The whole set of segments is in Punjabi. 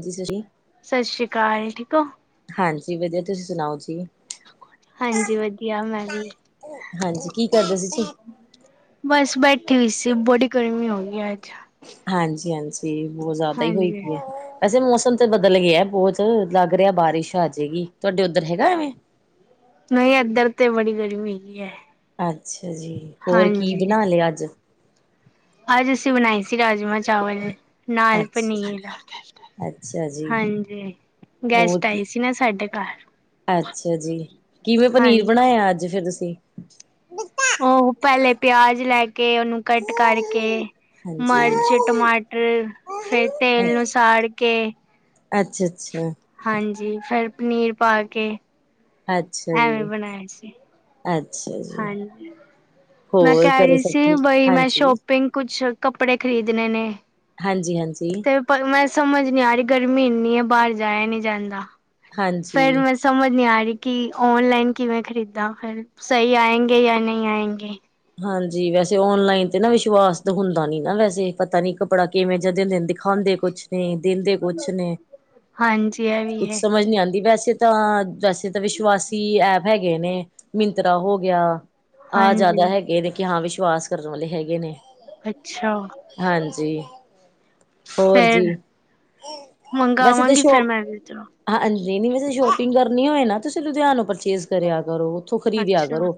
ਦੱਸੋ ਜੀ ਸਤਿ ਸ੍ਰੀ ਅਕਾਲ ਠੀਕ ਹੋ ਹਾਂਜੀ! ਵਧੀਆ ਤੁਸੀਂ ਸੁਣਾਓ ਜੀ। ਹਾਂਜੀ! ਵਧੀਆ ਮੈਂ ਵੀ। ਹਾਂਜੀ! ਕੀ ਕਰਦੇ ਸੀ ਜੀ। ਬਸ ਬੈਠੀ ਹੋਈ ਸੀ। ਬੜੀ ਗਰਮੀ ਹੋਗੀ ਆੱਜ। ਹਾਂਜੀ ਹਾਂਜੀ! ਬਹੁਤ ਜ਼ਿਆਦਾ ਹੀ ਹੋਏ ਹਾਂਜੀ ਪੀ ਹੈ। ਵੈਸੇ ਮੌਸਮ ਸੰ ਬਦਲ ਗਿਆ ਬਹੁਤ ਲੱਗ ਰਿਹਾ, ਬਾਰਿਸ਼ ਆ ਜਾਏਗੀ। ਤੁਹਾਡੇ ਉੱਧਰ ਹੈਗਾ ਐਵੇਂ। ਨਹੀਂ! ਇਏਧਰ ਤੇ ਬੜੀ ਗਰਮੀ ਹੈਗੀ ਹੈ। ਅੱਛਾ ਜੀ। ਹੋਰ ਕੀ ਹਾਂਜੀ ਬਣਾ ਲਿਆ ਅੱਜ। ਅੱਜ ਅਸੀਂ ਬਣਾਈ ਸੀ ਰਾਜਮਾਂ ਚਾਵਲ। ਨਾਲ ਅੱਛਾ ਜੀ ਪਨੀਰ। ਅੱਛਾ ਜੀ ਹਾਂਜੀ! ਹੋਰ ਗੈਸਟ ਕੀ? ਆਈ ਸੀ ਨਾ ਸਾਡੇ ਘਰ। ਅੱਛਾ ਜੀ। ਕਿਵੇਂ ਪਨੀਰ ਹਾਂਜੀ ਬਣਾਇਆ ਅੱਜ ਫਿਰ ਤੁਸੀਂ। ਉਹ ਪਹਿਲੇ ਪਿਆਜ ਲੈ ਕੇ ਉਹਨੂੰ ਕੱਟ ਕਰਕੇ ਹਾਂਜੀ ਮਰਚ ਟਮਾਟਰ ਫੇਰ ਤੇਲ ਨੂੰ ਸਾੜ ਕੇ ਅੱਛਾ ਅੱਛਾ ਹਾਂਜੀ ਫੇਰ ਪਨੀਰ ਪਾ ਕੇ ਅੱਛਾ ਐਵੇ ਜੀ ਬਣਾਇਆ ਸੀ ਅੱਛਾ ਜੀ ਹਾਂਜੀ ਮੈਂ ਹੋਰ ਕਹਿ ਘਰੇ ਰਹੀ ਸਭ ਸੀ ਠੀਕ ਬਈ ਮੈਂ ਹਾਂਜੀ ਸ਼ੋਪਿੰਗ ਕੁਛ ਕੱਪੜੇ ਖਰੀਦਣੇ ਨੇ ਹਾਂਜੀ ਹਾਂਜੀ ਤੇ ਪਰ ਮੈਂ ਸਮਝ ਨੀ ਆ ਰਹੀ ਗਰਮੀ ਇੰਨੀ ਹੈ ਬਾਹਰ ਜਾਇਆ ਨੀ ਜਾਂਦਾ ਫੇਰ ਹਾਂਜੀ ਮੈਂ ਸਮਝ ਨੀ ਆ ਰਹੀ ਕਿ ਔਨਲਾਈਨ ਕਿਵੇਂ ਖਰੀਦਾਂ ਫਿਰ ਸਹੀ ਆਏਗੇ ਜਾਂ ਨਹੀਂ ਆਏਗੇ ਹਾਂਜੀ ਵੈਸੇ ਔਨਲਾਈਨ ਤੇ ਨਾ ਵਿਸ਼ਵਾਸ ਤੇ ਹੁੰਦਾ ਨੀ ਨਾ ਵੈਸੇ ਪਤਾ ਨੀ ਕੱਪੜਾ ਕਿਵੇਂ ਜਦੇ ਦਿੰਦੇ ਦਿਖਾ ਦੇ ਕੁਛ ਨੇ ਦਿੰਦੇ ਕੁਛ ਨੇ ਹਾਂਜੀ ਇਹ ਵੀ ਕੁੱਛ ਹੈ ਸਮਝ ਨੀ ਆਉਂਦੀ ਵੈਸੇ ਏ ਤਾਂ ਵੈਸੇ ਤਾਂ ਵਿਸ਼ਵਾਸੀ ਐਪ ਹੈਗੇ ਨੇ ਮਿੰਤਰਾ ਹੋ ਗਿਆ ਆਹ ਹਾਂਜੀ ਜ਼ਿਆਦਾ ਹੈਗੇ ਨੇ ਕਿ ਹਾਂ ਵਿਸ਼ਵਾਸ ਕਰਨ ਵਾਲੇ ਹੈਗੇ ਨੇ ਅੱਛਾ ਜੀ ਹੋਰ ਜੀ ਫੇਰ ਵੈਸੇ ਤਾਂ ਮੰਗਾਵਾਂਗੀ ਫਿਰ ਸ਼ੋਅਪ ਮੈਂ ਵੀ ਉੱਧਰੋਂ ਹਾਂ ਨਹੀਂ ਨਹੀਂ ਵੈਸੇ ਸ਼ੋਪਿੰਗ ਕਰਨੀ ਹੋਏ ਨਾ ਤੁਸੀਂ ਲੁਧਿਆਨੋ ਪਰਚੇਜ ਕਰਿਆ ਕਰੋ ਉੱਥੋਂ ਖਰੀਦਿਆ ਅੱਛਾ ਕਰੋ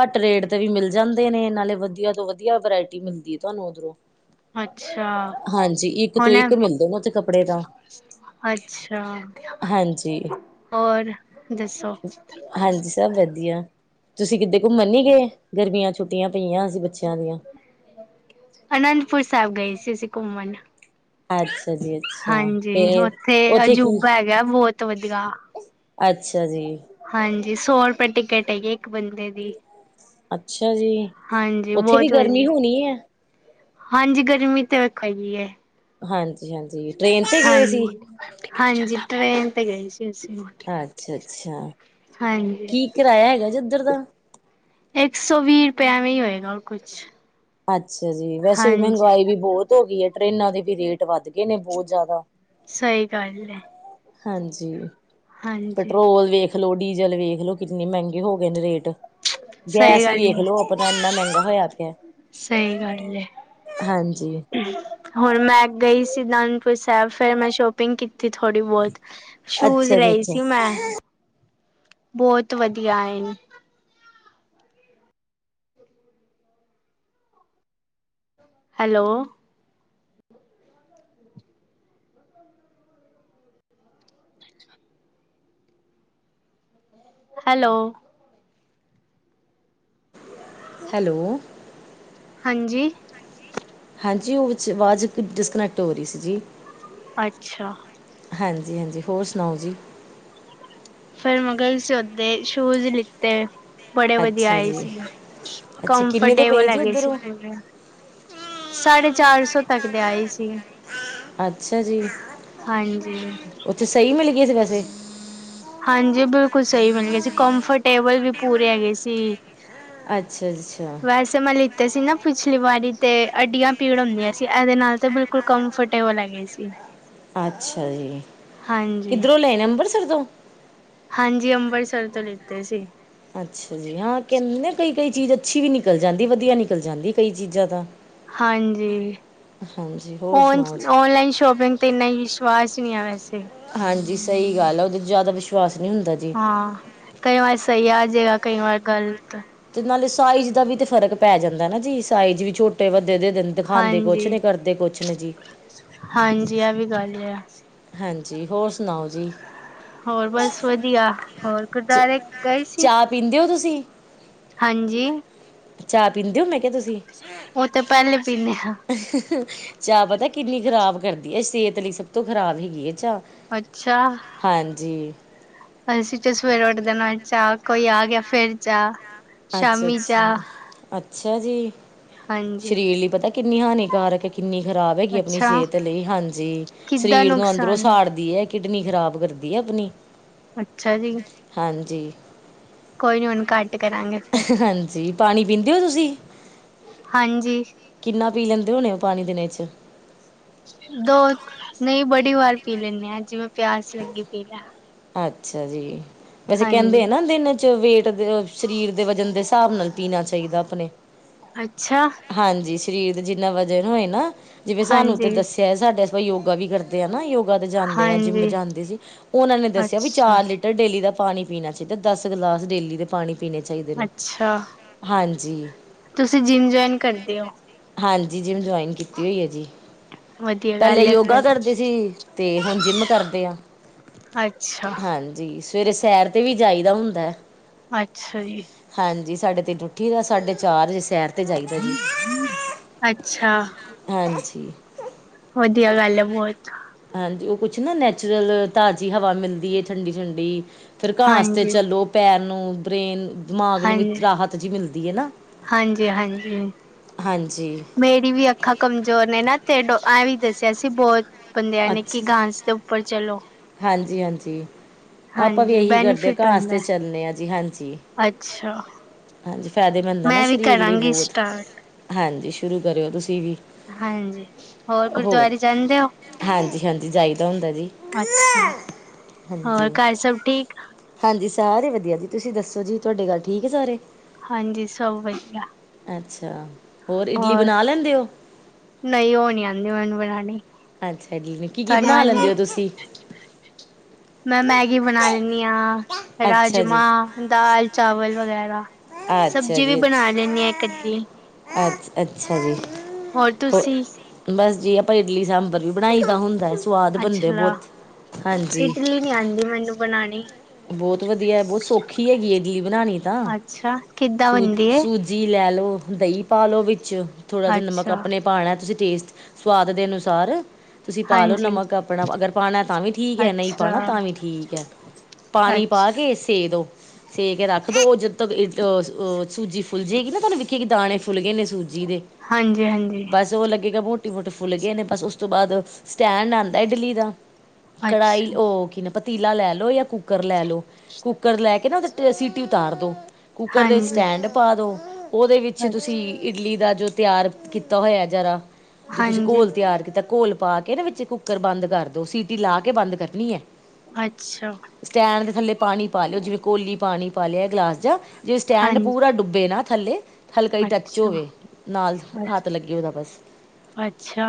ਘੱਟ ਰੇਟ ਤੇ ਵੀ ਮਿਲ ਜਾਂਦੇ ਨੇ ਨਾਲੇ ਵਧੀਆ ਤੋਂ ਵਧੀਆ ਵਰਾਇਟੀ ਮਿਲਦੀ ਹੈ ਤੁਹਾਨੂੰ ਉਧਰੋਂ ਅੱਛਾ ਹਾਂਜੀ ਇੱਕ ਤੋਂ ਹੁਣ ਇੱਕ ਮਿਲਦੇ ਨੇ ਉੱਥੇ ਕੱਪੜੇ ਤਾਂ ਅੱਛਾ ਹਾਂਜੀ ਹੋਰ ਦੱਸੋ? ਹਾਂਜੀ ਸਭ ਤੁਸੀਂ ਕਿੱਦੇ ਘੁੰਮਣ ਨੀ ਗਏ ਗਰਮੀਆਂ ਛੁੱਟੀਆਂ ਪਈਆਂ ਸੀ ਬੱਚਿਆਂ ਦੀਆਂ। ਅਨੰਦਪੁਰ ਸਾਹਿਬ ਗਏ ਸੀ ਅਸੀਂ ਘੁੰਮਣ ਅੱਛਾ ਜੀ ਅੱਛਾ ਹਾਂਜੀ ਫੇਰ ਉੱਥੇ ਕੀ ਅਜੂਬਾ ਹੈਗਾ ਬਹੁਤ ਵਧੀਆ। ਅੱਛਾ ਜੀ ਹਾਂਜੀ ਸੌ ਰੁਪਏ ਟਿਕਟ ਹੈਗੀ ਏ ਇੱਕ ਬੰਦੇ ਦੀ ਅੱਛਾ ਜੀ ਹਾਂਜੀ ਉੱਥੇ ਵੀ ਬਹੁਤ ਵਧੀਆ। ਗਰਮੀ ਹੋਣੀ ਹੈ ਹਾਂਜੀ ਗਰਮੀ ਤਾਂ ਵੇਖੋ ਹੈਗੀ ਏ ਹਾਂਜੀ ਹਾਂਜੀ ਟ੍ਰੇਨ ਤੇ ਹਾਂ ਗਏ ਸੀ ਹਾਂਜੀ ਟ੍ਰੇਨ ਤੇ ਗਈ ਸੀ। ਅਸੀਂ। ਅੱਛਾ ਅੱਛਾ ਹਾਂਜੀ ਕੀ ਕਿਰਾਇਆ ਹੈਗਾ ਜੀ ਉਧਰ ਦਾ ਇੱਕ ਸੌ ਵੀਹ ਰੁਪਇਆ ਐਵੇਂ ਹੀ ਹੋਏਗਾ ਕੁਛ ਅੱਛਾ ਜੀ ਵੈਸੇ ਵੀ ਹਾਂਜੀ। ਮਹਿੰਗਾਈ ਵੀ ਬਹੁਤ ਹੋ ਗਈ ਏ ਟਰੇਨਾਂ ਦੇ ਵੀ ਰੇਟ ਵੱਧ ਗਏ ਨੇ ਬਹੁਤ ਜ਼ਿਆਦਾ ਸਹੀ ਗੱਲ ਏ। ਹਾਂਜੀ ਹਾਂਜੀ ਪੈਟਰੋਲ ਵੇਖ ਲੋ ਡੀਜ਼ਲ ਵੇਖ ਲੋ ਕਿਤਨੇ ਮਹਿੰਗੇ ਹੋ ਗਏ ਨੇ ਰੇਟ ਸਹੀ ਗੈਸ ਹੀ ਗੱਲ ਏ। ਵੇਖਲੋ ਆਪਣਾ ਇੰਨਾ ਮਹਿੰਗਾ ਹੋਇਆ ਪਿਆ। ਸਹੀ ਗੱਲ ਏ ਹਾਂਜੀ, ਹੁਣ ਮੈਂ ਗਈ ਸੀ। ਅਨੰਦਪੁਰ ਸਾਹਿਬ ਫਿਰ ਮੈਂ ਸ਼ੋਪਿੰਗ ਕੀਤੀ ਥੋੜ੍ਹੀ ਬਹੁਤ। ਸ਼ੂਜ ਅੱਛਾ ਜੀ ਲਏ ਅੱਛਾ। ਸੀ ਮੈਂ। ਬਹੁਤ ਵਧੀਆ ਆਏ ਨੇ। ਹੈਲੋ। ਹੈਲੋ। ਹੈਲੋ। ਹਾਂਜੀ। ਹਾਂਜੀ ਉਹ ਵਿੱਚ ਆਵਾਜ਼ ਡਿਸਕਨੈਕਟ ਹੋ ਰਹੀ ਸੀ ਜੀ। ਅੱਛਾ। ਹਾਂਜੀ ਹਾਂਜੀ ਹੋਰ ਸੁਣਾਓ ਜੀ। ਫੇਰ ਮਗਰ ਸੌਦੇ ਸ਼ੂਜ ਲਿੱਤੇ। ਬੜੇ ਵਧੀਆ ਅੱਛਾ ਆਏ ਜੀ, ਸੀ ਅੱਛਾ ਕਿੰਨੇ ਦੇ ਪਏ ਕੰਮਫਰਟੇਬਲ ਹੈ ਜੀ ਗਏ ਉੱਧਰ ਸੀ ਉਹ? ਪੂਰੇ। ਸਾਢੇ ਚਾਰ ਸੌ ਤੱਕ ਦੇ ਆਏ ਸੀ। ਅੱਛਾ ਜੀ ਹਾਂਜੀ ਉੱਥੇ ਸਹੀ ਮਿਲ ਗਏ ਸੀ ਵੈਸੇ। ਹਾਂਜੀ ਬਿਲਕੁਲ ਸਹੀ ਮਿਲ ਗਏ ਸੀ ਕੰਨਫਰਟੇਬਲ ਵੀ ਪੂਰੇ ਹੈਗੇ ਸੀ। ਅੱਛਾ-ਅੱਛਾ। ਤੇ ਸੀ ਨਾ ਪਿਛਲੀ ਵਾਰੀ ਤੇ ਅੱਡੀਆਂ ਪੀੜ ਹੁੰਦੀਆਂ ਸੀ ਇਹਦੇ ਨਾਲ ਤੇ ਬਿਲਕੁਲ ਕੰਫਰਟੇਬਲ ਹੈਗੇ ਸੀ। ਅੱਛਾ ਜੀ, ਹਾਂਜੀ ਕਿੱਧਰੋਂ ਲਏ ਨੇ ਅੰਬਰਸਰ ਤੋਂ। ਹਾਂਜੀ, ਅੰਮ੍ਰਿਤਸਰ ਤੋਂ ਲਿੱਤੇ ਸੀ। ਅੱਛਾ ਜੀ, ਹਾਂ ਕਹਿੰਦੇ ਕਈ-ਕਈ ਚੀਜ਼ ਅੱਛੀ ਵੀ ਨਿਕਲ ਜਾਂਦੀ ਵਧੀਆ ਨਿਕਲ ਜਾਂਦੀ ਕਈ ਚੀਜ਼ਾਂ ਤਾਂ। ਹਾਂਜੀ, ਹਾਂਜੀ ਹੋਰ ਹੋਨਸ ਸੁਣਾਓ ਜੀ ਓਨਲਾਈਨ ਸ਼ੋਪਿੰਗ ਤੇ ਇੰਨਾ ਵਿਸ਼ ਵਾਸ ਨਹੀਂ ਆ ਵੈਸੇ। ਹਾਂਜੀ ਸਹੀ ਗੱਲ ਆ ਉਹਦੇ ਚ ਜ਼ਿਆਦਾ ਵਿਸ਼ਵਾਸ। ਨਹੀਂ ਹੁੰਦਾ ਜੀ ਹਾਂ ਕਈ ਵਾਰ ਸਹੀ ਆ ਜਾਏਗਾ ਕਈ ਵਾਰ ਗ਼ਲਤ। ਅਤੇ ਨਾਲੇ ਸਾਈਜ਼ ਦਾ ਵੀ ਤੇ ਫ਼ਰਕ ਪੈ ਜਾਂਦਾ ਨਾ ਜੀ ਸਾਈਜ਼ ਵੀ ਛੋਟੇ ਵ। ਦੇ ਦੇਣ ਦਿਖਾਉਦੇ ਕੁੱਛ ਨੇ ਹਾਂਜੀ ਕਰਦੇ ਕੁੱਛ ਨ ਜੀ। ਜੀ ਐ ਵੀ ਗੱਲ ਹੈ ਜੀ। ਹਾਂਜੀ, ਹੋਰ ਸੁਣਾਓ ਜੀ। ਹੋਰ ਬਸ ਵਧੀਆ, ਹੋਰ ਗੁਰਦੁਆਰੇ ਗਏ ਸੀ। ਸੀ। ਹਾਂਜੀ। ਚਾਹ ਪੀਂਦੇ ਹੋ ਮੈਂ ਕਿ। ਹਾ ਤੁਸੀਂ, ਉਹ ਤਾਂ ਪਹਿਲੇ ਪੀਂਦੇ ਹਾਂ ਚਾਹ ਪਤਾ ਕਿੰਨੀ ਖਰਾਬ। ਕਰਦੀ ਹੈ ਸਿਹਤ ਲਈ ਸਭ ਤੋਂ ਖਰਾਬ ਹੈਗੀ ਹੈ ਚਾਹ। ਅੱਛਾ ਹਾਂਜੀ, ਅਸੀਂ ਤੇ ਸਵੇਰੇ ਉੱਠ ਦੇਣਾ ਚਾ। ਕੋਈ ਆ ਗਿਆ ਫਿਰ ਚਾ। ਅੱਛਾ-ਅੱਛਾ ਅੱ। ਅੱਛਾ ਜੀ, ਹਾਂਜੀ ਸਰੀਰ ਲਈ ਪਤਾ ਕਿੰਨੀ ਹਾਨੀਕਾਰਕ ਹੈਗੀ। ਕਿੰਨੀ ਖ਼ਰਾਬ ਹੈਗੀ ਆਪਣੀ ਅੱਛਾ ਸਿਹਤ ਲਈ, ਹਾਂਜੀ ਕਿੱਦਾਂ ਸਰੀਰ ਨੂੰ ਅੰਦਰੋਂ ਨੁਕਸਾਨ ਸਾੜਦੀ ਹੈ। ਕਿਡਨੀ ਖ਼ਰਾਬ ਕਰਦੀ ਹੈ ਆਪਣੀ। ਅੱਛਾ ਜੀ। ਹਾਂਜੀ। ਕੋਈ ਨੀ ਹੁਣ ਘੱਟ। ਕਰਾਂਗੇ ਫਿਰ ਹਾਂਜੀ ਪਾਣੀ ਪੀਂਦੇ ਹੋ ਤੁਸੀਂ। ਹਾਂਜੀ ਕਿੰਨਾ ਪੀ ਲੈਂਦੇ ਹੋਣੇ ਉਹ ਪਾਣੀ ਦਿਨ ਚ। ਦੋ ਨਹੀਂ ਬੜੀ ਵਾਰ ਪੀ ਲੈਂਦੇ ਆਂ ਜਿਵੇਂ ਪਿਆਸ ਲੱਗੀ ਪੀ ਲਿਆ। ਅੱਛਾ ਜੀ ਵੈਸੇ ਕਹਿੰਦੇ ਹਾਂਜੀ ਆ ਨਾ ਦਿਨ। ਵੇਟ ਦੇ ਸਰੀਰ ਦੇ ਵਜ਼ਨ ਦੇ ਹਿਸਾਬ ਨਾਲ ਪੀਣਾ ਚਾਹੀਦਾ ਆਪਣੇ। ਅੱਛਾ। ਹਾਂਜੀ ਸਰੀਰ ਜਿੰਨਾ ਵਜਨ ਹੋਏ ਨਾ, ਜਿਵੇਂ ਸਾਨੂੰ ਤੇ ਹਾਂਜੀ ਦੱਸਿਆ ਹੈ ਸਾਡੇ ਆਪ ਆਪਾਂ ਯੋਗਾ ਵੀ ਕਰਦੇ ਆ ਨਾ ਯੋ ਕਦੇ ਜਾਂਦੇ ਆ ਜਿੰਮ ਹਾਂਜੀ ਜਾਂਦੇ ਸੀ, ਉਹਨਾਂ ਨੇ ਦੱਸਿਆ ਵੀ ਅੱਛਾ ਚਾਰ ਲੀਟਰ ਡੇਲੀ ਲੀ ਦਾ ਪਾਣੀ ਪੀਣਾ ਚਾਹੀਦਾ, ਏ ਦਸ ਗਲਾਸ ਡੇਲੀ ਦਾ ਪਾਣੀ ਪੀਣੇ ਚਾਹੀਦੇ ਨੇ ਅੱਛਾ ਹਾਂਜੀ-ਹਾਂਜੀ। ਤੁਸੀਂ ਜਿੰਮ ਜੁਆਇਨ ਕਰਦੇ ਹੋ ਜੀ ਜਿਮ ਜੁਆਇਨ ਕੀਤੀ ਹੋਈ ਹੈ ਜੀ। ਵਧੀਆ ਪਹਿਲੇ ਗੱਲ ਹੈ ਯੋਗਾ ਫਿਰ ਕਰਦੇ ਸੀ, ਤੇ ਹੁਣ ਜਿੰਮ ਕਰਦੇ ਆ। ਅੱਛਾ। ਹਾਂਜੀ ਸਵੇਰੇ ਸੈਰ ਤੇ ਵੀ ਜਾਈਦਾ ਹੁੰਦਾ ਐ। ਅੱਛਾ ਜੀ। ਹਾਂਜੀ, ਸਾਡੇ ਤਿੰਨ ਉੱਠੀ ਦਾ ਸਾਡੇ ਚਾਰ ਵਜੇ ਸੈਰ ਤੇ ਜਾਈਦਾ ਜੀ, ਅੱਛਾ ਹਾਂਜੀ। ਵਧੀਆ ਗੱਲ ਹੈ, ਬਹੁਤ। ਹਾਂਜੀ ਉਹ ਕੁਛ ਨਾ ਨੈਚੁਰਲ ਤਾਜ਼ੀ ਹਵਾ ਮਿਲਦੀ ਹੈ ਠੰਡੀ-ਠੰਡੀ, ਫਿਰ ਘਾਸ ਤੇ ਹਾਂਜੀ ਚਲੋ ਪੈਰ ਨੂੰ ਬ੍ਰੇਨ ਦਿਮਾਗ ਨੂੰ ਵੀ ਹਾਂਜੀ ਰਾਹਤ ਜਿਹੀ ਮਿਲਦੀ ਹੈ ਨਾ। ਹਾਂਜੀ ਹਾਂਜੀ ਹਾਂਜੀ ਮੇਰੀ ਵੀ ਅੱਖਾਂ ਕਮਜ਼ੋਰ ਨੇ ਨਾ ਤੇ ਡ ਆ ਵੀ ਦੱਸਿਆ ਸੀ, ਬਹੁਤ ਬੰਦਿਆਂ ਨੇ ਕਿ ਘਾਸ ਦੇ ਉੱਪਰ ਚਲੋ। ਹਾਂਜੀ-ਹਾਂਜੀ, ਆਪਾਂ ਵੀ ਹਾਂਜੀ ਇਹੀ ਕਰਦੇ ਹਾਂ ਬੈਨੀਫਿਟ ਘਾਸ ਹੁੰਦਾ ਤੇ ਹੈ ਚੱਲਣੇ ਹਾਂ ਜੀ ਹਾਂਜੀ। ਅੱਛਾ, ਹਾਂਜੀ ਫਾਇਦੇਮੰਦ ਨਾ ਮੈਂ ਵੀ ਸਰੀਰ ਲਈ ਕਰਾਂਗੀ ਬਹੁਤ ਸਟਾਰਟ ਹਾਂਜੀ, ਸ਼ੁਰੂ ਕਰਿਓ ਤੁਸੀਂ ਵੀ, ਹਾਂਜੀ, ਹੋਰ ਗੁਰਦੁਆਰੇ ਜਾਂਦੇ ਔ? ਹਾਂਜੀ ਹਾਂਜੀ ਜਾਈਦਾ ਹੁੰਦਾ ਜੀ ਅੱਛਾ, ਹੋਰ ਹਾਂਜੀ ਘਰ ਸਭ ਠੀਕ? ਹਾਂਜੀ ਸਾਰੇ ਵਧੀਆ ਜੀ ਤੁਸੀਂ ਦੱਸੋ ਜੀ ਤੁਹਾਡੇ ਗੱਲ ਠੀਕ ਹੈ ਸਾਰੇ। ਹਾਂਜੀ ਸਭ ਵਧੀਆ, ਅੱਛਾ, ਇਡਲੀ ਹੋਰ, ਬਣਾ ਲੈਂਦੇ ਹੋ ਨਹੀਂ ਉਹ ਨੀ ਆਦੀ ਮੈਨੂੰ ਬਣਾ ਅੱਛਾ ਜੀ, ਮੈ ਕੀ ਬਣਾ ਲੈਂਦੇ ਔ ਤੁਸੀਂ? ਮੈਂ ਮੈਗੀ ਬਣਾ ਲੈਂਨੀ, ਆ ਅੱਛਾ ਜੀ ਰਾਜਮਾਂ, ਦਾਲ, ਚਾਵਲ ਵਗੈਰਾ। ਅੱਛਾ ਸਬਜ਼ੀ ਵੀ ਬਣਾ ਲੈਨੀ ਹਾਂ ਇੱਕ ਅੱਧੀ ਅੱ ਅੱਛਾ ਜੀ, ਹੋਰ ਤੁਸੀਂ? ਜੇ ਆਪਾਂ ਇਡਲੀ ਸਾਂਬਰ ਵੀ ਬਣਾਈ ਤਾਂ ਹੁੰਦਾ। ਸਵਾਦ ਬਣਦੇ ਅੱਛਾ, ਬਹੁਤ ਹਾਂਜੀ, ਇਡਲੀ ਨੀ ਆਂਦੀ ਮੈਨੂੰ ਬਣਾਣੀ। ਬਹੁਤ ਵਧੀਆ ਬਹੁਤ ਸੌਖੀ ਹੈਗੀ ਹੈ ਜੀ, ਬਣਾਣੀ ਤਾਂ ਅੱਛਾ, ਕਿੱਦਾਂ ਸ ਬਣਦੀ ਏ? ਸੂਜੀ ਲੈ ਲਓ, ਦਹੀਂ ਪਾਲੋ ਵਿੱਚ ਥੋੜਾ ਜਿਹਾ ਨਮਕ ਅੱਛਾ, ਆਪਣੇ ਪਾਣਾ, ਤੁਸੀਂ ਟੇਸਟ ਸਵਾਦ ਦੇ ਅਨੁਸਾਰ। ਤੁਸੀਂ ਪਾ ਲਓ ਹਾਂਜੀ। ਨਮਕ ਆਪਣਾ ਅਗਰ ਪਾਣਾ ਤਾਂ ਵੀ ਠੀਕ ਹੈ, ਨਹੀਂ ਅੱਛਾ, ਪਾਣਾ ਤਾਂ ਵੀ ਠੀਕ ਹੈ। ਪਾਣੀ ਅੱਛ ਪਾ ਕੇ ਸੇ ਤੋ ਸੇ ਕੇ ਰੱਖ ਦਿਓ ਉਹ ਜਦੋਂ ਤੱਕ ਅਹਹ ਸੂਜੀ ਫੁੱਲ ਜਾਏਗੀ, ਨਾ ਤੁਹਾਨੂੰ ਵਿਖੇਗੀ ਕਿ ਦਾਣੇ ਫੁੱਲ ਗਏ ਨੇ। ਸੂਜੀ ਦੇ ਹਾਂਜੀ-ਹਾਂਜੀ। ਬਸ ਔ ਲੱਗੇਗਾ। ਟਟੀ ਫਟ ਫੁੱਲ ਗਏ ਨੇ ਬਸ ਉਸ ਤੋਂ ਬਾਅਦ ਸਟੈਂਡ ਆਦਾ ਇਡਲੀ ਦਾ, ਕੜਾਹੀ ਅੱਛਾ। ਉਹ ਕੀ ਨਾ ਪਤੀਲਾ ਲੈ ਲਓ, ਜਾਂ ਕੁ ਕੁੱਕਰ ਲੈ ਲਓ ਕੁੂੱਕਰ ਲੈ ਕੇ ਨਾ ਉਹਦੇ, ਸੀਟੀ ਉਤਾਰ ਦੋ ਕੁੂੱਕਰ ਦੇ ਹਾਂਜੀ। ਸਟੈਂਡ ਪਾ ਦੋ, ਉਹਦੇ ਵਿੱਚ ਤੁਸੀਂ ਅੱਛਾ। ਇਡਲੀ ਦਾ ਜੋ ਤਿਆਰ ਕੀਤਾ ਹੋਇਆ, ਜ਼ਰਾ ਜੇ ਤੁਸੀਂ ਹਾਂਜੀ, ਘੋਲ ਤਿਆਰ ਕੀਤਾ ਘੋਲ, ਪਾ ਕੇ ਨਾ ਵਿੱਚ ਕੁੱਕਰ ਬੰਦ ਕਰ ਦੋ ਸੀਟੀ ਲਾ ਕੇ ਬੰਦ ਕਰਨੀ ਹੈ, ਅੱਛਾ, ਸਟੈਂਡ ਦੇ ਥੱਲੇ ਪਾਣੀ ਪਾ ਲਿਓ, ਜਿਵੇਂ ਕੋਲੀ ਪਾਣੀ ਪਾ ਲਿਆ ਗਲਾਸ ਜਾਂ ਜਿਵੇਂ ਸਟੈਂਡ ਹਾਂਜੀ, ਪੂਰਾ ਡੁੱਬੇ ਨਾ, ਥੱਲੇ ਹਲਕਾ ਹੀ ਟੱਚ ਅੱਛਾ। ਹੋਵੇ, ਨਾਲ ਅੱਛ, ਹੱਥ ਲੱਗੇ ਉਹਦਾ ਬਸ ਅੱਛਾ,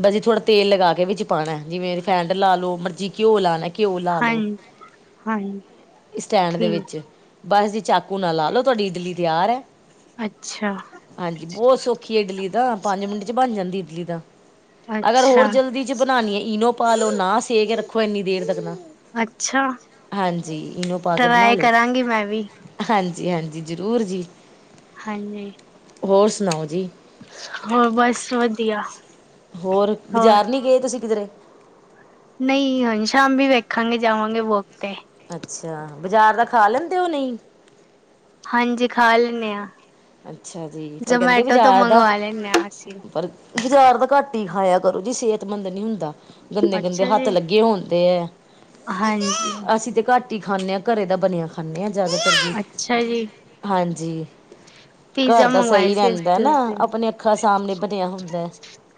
ਬਸ ਜੀ ਥੋੜਾ, ਤੇਲ ਲਗਾ ਕੇ ਵਿੱਚ ਪਾਣਾ ਜਿਵੇਂ ਰਿਫੈਂਡ ਲਾ ਲੋ ਮਰਜੀ ਘਿਓ ਲਾਣਾ ਘਿਓ ਲਾ ਲੋ, ਹਾਂਜੀ, ਹਾਂਜੀ ਸਟੈਂਡ ਦੇ ਠੀਕ, ਵਿੱਚ ਬਸ ਜ ਚਾਕੂ ਨਾ ਲਾ ਲੋ ਤੁਹਾਡੀ ਇਡਲੀ ਤਿਆਰ ਹੈ ਅੱਛਾ। ਹਾਂਜੀ ਬਹੁਤ ਸੌਖੀ ਇਡਲੀ ਦਾ ਪੰਜ ਮਿੰਟ ਚ ਬਣ ਜਾਂਦੀ ਇਡਲੀ ਦਾ ਅਗਰ ਹੋਰ ਅੱਛਾ, ਜਲਦੀ ਚ ਬਣਾਉਣੀ ਹੈ ਇਨੋ ਪਾ ਲਓ ਨਾ ਸੇ ਕੇ ਰੱਖੋ ਇੰਨੀ ਦੇਰ ਤੱਕ ਨਾ ਅੱਛਾ ਹਾਂਜੀ ਇਹਨੂੰ ਪਾ ਕੇ ਬਣਾ ਟਰਾਈ ਲਿਓ ਕਰਾਂਗੀ ਮੈਂ ਵੀ, ਹਾਂਜੀ ਜ ਹਾਂਜੀ ਜ਼ਰੂਰ ਜੀ ਹਾਂਜੀ ਹੋਰ ਸੁਣਾਓ ਜੀ ਹੋਰ ਬਸ ਵਧੀਆ ਹੋਰ ਬਾਜ਼ਾਰ ਨਹੀਂੀ ਗਏ ਤੁਸੀਂ ਕਿਧਰੇ ਨਹੀਂ ਹੁਣ ਸ਼ਾਮ ਵੀ ਵੇਖਾਂਗੇ ਜਾਵਾਂਗੇ ਬੁਕ ਤੇ ਅੱਛਾ ਬਜ਼ਾਰ ਦਾ ਖਾ ਲੈਂਦੇ ਉਹ ਨਹੀਂ ਹਾਂਜੀ ਖਾ ਲੈਂਦੇ ਹਾਂ ਅੱਛਾ ਜੀ ਪਰ ਕਹਿੰਦੇ ਬਾਜ਼ਾਰ ਦਾ ਮੰਗਵਾ ਲੈਂਨੇ ਆ ਅਸੀਂ। ਪਰ ਬਾਜ਼ਾਰ ਤਾਂ ਘੱਟ ਹੀ ਖਾਇਆ ਕਰੋ ਜੀ ਸਿਹਤਮੰਦ ਨਹੀਂੀ ਹੁੰਦਾ ਗੰਦੇ ਗੰਦੇ ਅੱਛਾ ਹੱਥ ਜੀ, ਲੱਗੇ ਹੋਣਦੇ ਹੈ ਹਾਂਜੀ, ਅਸੀਂ ਤੇ ਘੱਟ ਰੋਟੀ ਖਾਂਦੇ ਹਾਂ ਘਰੇ ਦਾ ਬਣਿਆ ਖਾਂਦੇ ਹਾਂ ਜ਼ਿਆਦਾਤਰ ਵੀ ਅੱਛਾ ਜੀ। ਹਾਂਜੀ ਪੀਜ਼ਾ ਘਰ ਦਾ ਮੰਗਵਾਏ ਸਹੀ ਸੀ ਅਸੀ ਰਹਿੰਦਾ ਤੇ ਨਾ ਓਸ ਦਿਨ। ਆਪਣੇ ਅੱਖਾਂ ਸਾਹਮਣੇ ਬਣਿਆ ਹੁੰਦਾ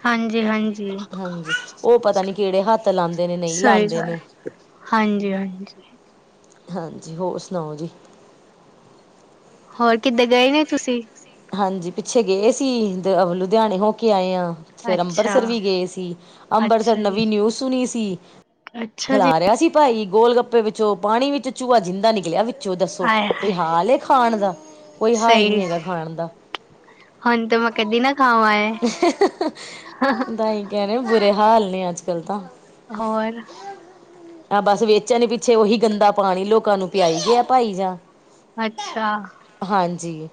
ਹਾਂਜੀ ਹਾਂਜੀ ਹਾਂਜੀ ਉਹ ਪਤਾ ਨਹੀਂ ਕਿਹੜੇ ਹੱਥ ਲਾਉਂਦੇ ਨੇ ਨਹੀਂ ।ਸਹੀ ਲਾਉਂਦੇ ਨੇ ਗੱਲ। ਹਾਂਜੀ ਹਾਂਜੀ। ਹਾਂਜੀ ਹੋਰ ਸੁਣਾਓ ਜੀ। ਹੋਰ ਕਿੱਦਾਂ? ਗਏ ਨੇ ਤੁਸੀ? ਹਾਂਜੀ ਪਿੱਛੇ ਗਏ ਸੀ। ਦ ਲੁਧਿਆਣੇ ਹੋ ਕੇ ਆਏ ਆਂ। ਫੇਰ ਅੱਛਾ ਅੰਬਰਸਰ ਵੀ ਗਏ ਸੀ ਅੰਬਰਸਰ ਅੱਛਾ ਜੀ ਨਵੀਂ ਨਿਊਜ਼ ਸੁਣੀ ਸੀ। ਅੱਛਾ ਜੀ ਖਿਲਾ ਰਿਹਾ ਸੀ ਭਾਈ ਗੋਲ ਗੱਪੇ ਵਿੱਚੋਂ ਪਾਣੀ ਵਿੱਚ ਚੂਆ ਜਿੰਦਾ ਨਿਕਲਿਆ ਵੀ ਚੋ ਦੱਸੋ ਹਾਏ ਕੋਈ ਹਾਏ ਹਾਲ ਏ ਖਾਣ ਦਾ ਕੋਈ ਹਾਲ ਨੀ ਸਹੀ ਹੈਗਾ। ਹੁਣ ਤਾਂ ਮੈਂ ਕਦੀ ਨਾ ਖਾਵਾਂ ਏ ਦਾਈਂ ਕਹਿ ਬੁਰੇ ਹਾਲ ਨੇ ਅੱਜ ਕੱਲ ਤਾਂ। ਹੋਰ। ਆ ਬਸ ਵੇਚਣ ਪਿੱਛੇ ਓਹੀ ਗੰਦਾ ਪਾਣੀ ਲੋਕਾਂ ਨੂੰ ਪਿਆਈ ਗਿਆ ਭਾਈ ਜਾ। ਅੱਛਾ। ਹਾਂਜੀ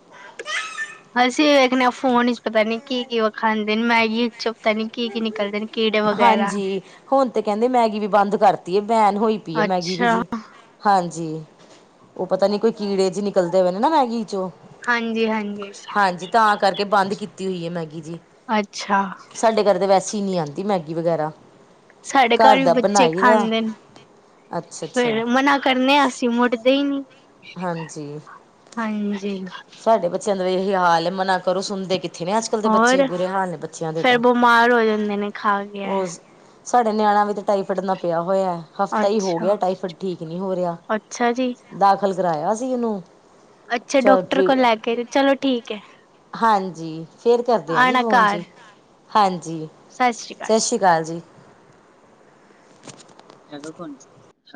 ਅਸੀ ਵੇਖਣੇ ਆਂ ਫੋਨ ਚ ਪਤਾ ਨੀ ਕੀ ਕੀ ਖਾਂਦੇ ਨੇ ਮੈਗੀ ਚ। ਨੀ ਕੀ ਕੀ ਨਿਕਲਦੇ ਨੇ ਕੀੜੇ ਵਗੈਰਾ ਹਾਂਜੀ ਹੁਣ ਤੇ ਕਹਿੰਦੇ ਮੈਗੀ ਵੀ ਬੰਦ ਕਰ ਬੈਣ ਹੋਈ ਪੀ ਆ ਮੈਗੀ ਵੀ ਅੱਛਾ ਜੀ ।ਹਾਂਜੀ। ਓ ਪਤਾ ਨੀ ਕੋਈ ਕੀੜੇ ਜੇ ਨਿਕਲਦੇ ਵੇ ਨਾ ਮੈਗੀ ਚੋਂ। ਹਾਂਜੀ ਹਾਂਜੀ ਹਾਂਜੀ ਤਾਂ ਕਰਕੇ ਬੰਦ ਕੀਤੀ ਹੋਈ ਹੈ ਮੈਗੀ ਜੀ। ਅੱਛਾ। ਸਾਡੇ ਘਰ ਵੈਸੇ ਨੀ ਆਂਦੀ ਮੈਗੀ ਵਗੈਰਾ। ਸਾਡੇ ਘਰ ਵੀ ਦਾ ਬੱਚੇ ਬਣਾਈ ਦਾ ਖਾਂਦੇ ਨ। ਅੱਛਾ ਅੱਛਾ ਫੇਰ ਮਨਾ ਕਰਨੇ ਅਸੀ ਮੁੜਦੇ ਈ ਨੀ। ਹਾਂਜੀ ਹਾਂਜੀ। ਏਹੀ ਹਾਲ ਏ ਮਨਾ ਕਰੋ ਸੁਣਦੇ ਕਿਤ ਥੇ ਨੇ ਅੱਜ ਕੱਲ ਦੇ ਬੱਚੇ ਹੋਰ ਬੁਰੇ ਹਾਲ ਨੇ ਬਚੇਆਂ ਦੇ ਫੇਰ ਤਾਂ ਬਿਮਾਰ ਹੋ ਜਾਂਦੇ ਨੇ ਖਾ ਗਿਆ ਹੈ। ਹੋ ਸਾਡੇ ਨਿਆਣਾ ਵੀ ਤੇ ਟਾਈਫਡ ਨਾ ਪਿਆ ਹੋਇਆ ਹਫ਼ਤਾ ਹੀ ਹੋ ਅੱਛਾ ਗਿਆ ਟਾਈਫਡ ਠੀਕ ਨੀ ਹੋ ਰਿਹਾ ਅੱਛਾ ਜੀ ਦਾਖ ਕਰਰਾਇਆ ਸੀ ਇਹਨੂੰ। ਅੱਛਾ ਡਾਕਟਰ ਕੋਲ ਲੈ ਕੇ ਚਲੋ ਠੀਕ ਹੈ। ਹਾਂਜੀ ਫੇਰ ਕਰਦੇ ਆ ਜੀ ਆਣਾ ਫੋਨ ਜੀ। ਘਰ ਹਾਂਜੀ ਸਤਿ ਸ੍ਰੀ ਅਕਾਲ ਜੀ। ਹੈਗਾ ਕੋਣ ਜੀ । ਸ਼